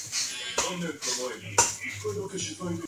Arsenal added two more goals just before halftime.